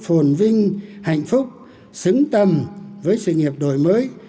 phồn vinh hạnh phúc xứng tầm với sự nghiệp đổi mới